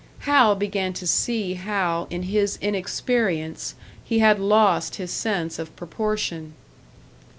Hal began to see how, in his inexperience, he had lost his sense of proportion.